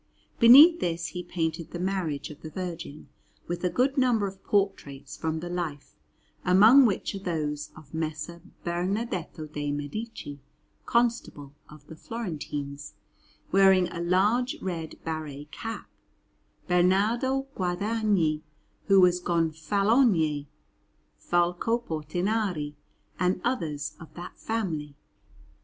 Beneath this he painted the Marriage of the Virgin, with a good number of portraits from the life, among which are those of Messer Bernardetto de' Medici, Constable of the Florentines, wearing a large red barret cap; Bernardo Guadagni, who was Gonfalonier; Folco Portinari, and others of that family.